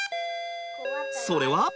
それは？